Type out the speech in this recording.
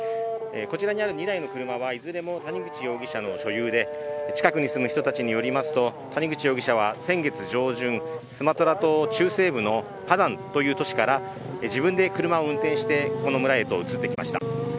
こちらにある２台の車はいずれも谷口容疑者の車で、近くに住む人たちによりますと谷口容疑者は先月上旬スマトラ島中西部のタダンという都市から自分で車を運転してこの村へと移ってきました。